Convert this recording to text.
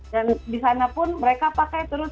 dan di sana pun mereka pakai terus